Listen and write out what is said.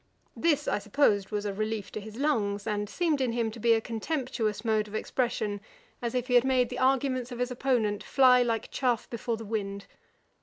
This I supposed was a relief to his lungs; and seemed in him to be a contemptuous mode of expression, as if he had made the arguments of his opponent fly like chaff before the wind.